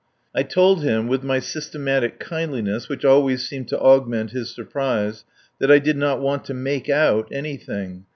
I told him, with my systematic kindliness which always seemed to augment his surprise, that I did not want to make out anything.